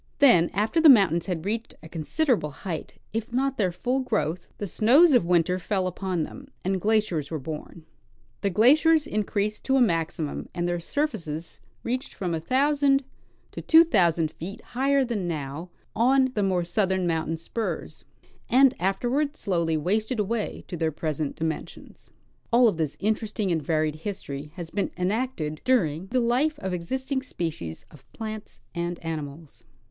Then, after the mountains had reached a considerable height, if not their full growth, the snows of winter fell upon them, and glaciers were born ; the glaciers increased to a maximum, and their surfaces reached from a thousand to tAVO thousand feet higher than now on the more southern mountain spurs, and afterward slowly wasted away to their present dimensions. All of this interissting and varied history has been enacted during the life of existing species of plants and animals.